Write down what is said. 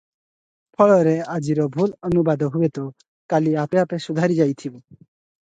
ଫଳରେ ଆଜିର ଭୁଲ ଅନୁବାଦ ହୁଏତ କାଲି ଆପେ ଆପେ ସୁଧରାଯାଇଥିବ ।